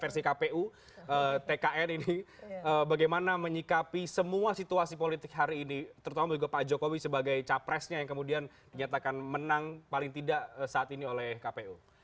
versi kpu tkn ini bagaimana menyikapi semua situasi politik hari ini terutama juga pak jokowi sebagai capresnya yang kemudian dinyatakan menang paling tidak saat ini oleh kpu